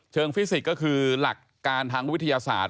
ฟิสิกส์ก็คือหลักการทางวิทยาศาสตร์